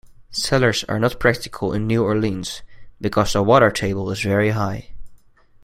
Cellars are not practical in New Orleans because the water table is very high.